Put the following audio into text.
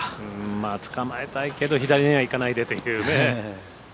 まあ、つかまえたいけど左には行かないでというね。